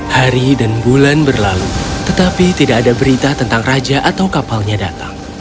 hari dan bulan berlalu tetapi tidak ada berita tentang raja atau kapalnya datang